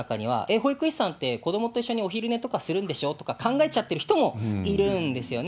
保育士さんって、子どもと一緒にお昼寝とかするんでしょ？とか、考えちゃってる人もいるんですよね。